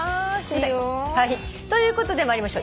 いいよ。ということで参りましょう。